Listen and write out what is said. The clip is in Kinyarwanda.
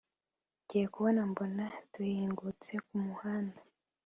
ngiye kubona mbona duhingutse kumuhanda